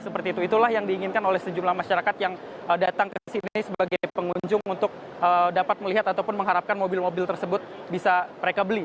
seperti itu itulah yang diinginkan oleh sejumlah masyarakat yang datang ke sini sebagai pengunjung untuk dapat melihat ataupun mengharapkan mobil mobil tersebut bisa mereka beli